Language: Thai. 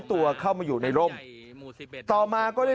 แต่ตอนนี้ติดต่อน้องไม่ได้